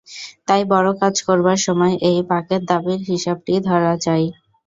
তাই বড়ো কাজ করবার সময় এই পাঁকের দাবির হিসেবটি ধরা চাই।